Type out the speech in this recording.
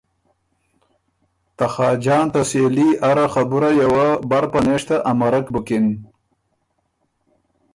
ته خاجان ته سېلي اره خبُرئ یه وه بر پنېشته امَرک بُکِن۔